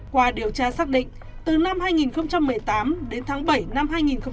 qua điều tra xác định từ năm hai nghìn một mươi tám đến tháng bảy năm hai nghìn một mươi chín